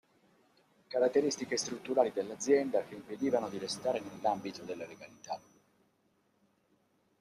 Caratteristiche strutturali dell'azienda che impedivano di restare nell'ambito della legalità.